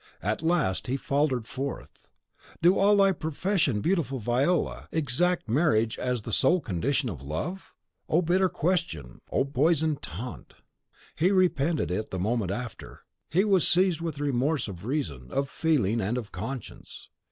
At last, he faltered forth, "Do all of thy profession, beautiful Viola, exact marriage as the sole condition of love?" Oh, bitter question! Oh, poisoned taunt! He repented it the moment after. He was seized with remorse of reason, of feeling, and of conscience.